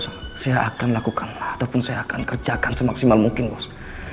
saya akan lakukan ataupun saya akan kerjakan semaksimal mungkin bos